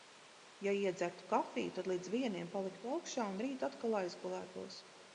Ja iedzertu kafiju, tad līdz vieniem paliktu augšā un rīt atkal aizgulētos.